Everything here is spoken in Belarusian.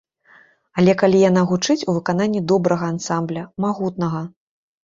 Але калі яна гучыць у выкананні добрага ансамбля, магутнага.